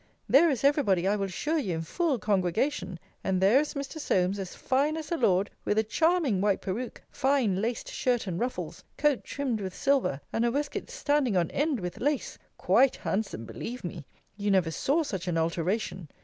There is every body, I will assure you in full congregation! And there is Mr. Solmes, as fine as a lord, with a charming white peruke, fine laced shirt and ruffles, coat trimmed with silver, and a waistcoat standing on end with lace! Quite handsome, believe me! You never saw such an alteration!